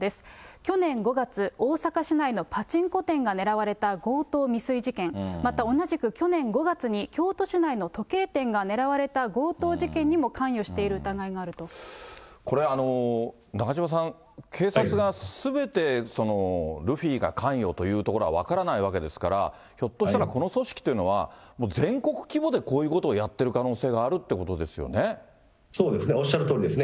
去年５月、大阪市内のパチンコ店が狙われた強盗未遂事件、また、同じく去年５月に京都市内の時計店が狙われた強盗事件にも関与しこれ、中島さん、警察がすべてルフィが関与というところは分からないわけですから、ひょっとしたらこの組織というのは、もう全国規模でこういうことをやってる可能性があるということでそうですね、おっしゃるとおりですね。